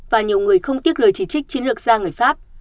và nhiều người không tiếc lời chỉ trích chiến lược gia người pháp